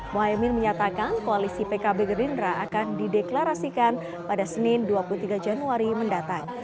mohaimin menyatakan koalisi pkb gerindra akan dideklarasikan pada senin dua puluh tiga januari mendatang